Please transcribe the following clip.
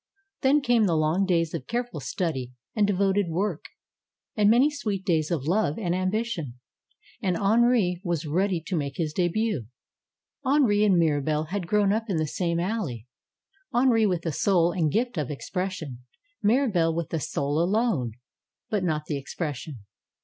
Then came the long days of careful study and de voted work. And many sweet days of love and ambi tion. And Henri was ready to make his debut. Henri and 'Mirabelle had grown up in the same al ley. Henri with the soul and gift of expression ; Mira belle with the soul alone, but not the expression.